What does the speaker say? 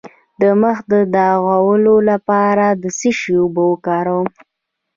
د مخ د داغونو لپاره د څه شي اوبه وکاروم؟